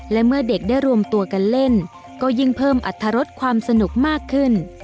และเมื่อเด็กได้รวมตัวกันเล่นก็ยิ่งเพิ่มอัตรรสความสนุกมากขึ้น